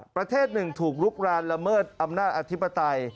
ประเทศหนึ่งถูกลุกรานละเมิดอำนาจอธิปไตย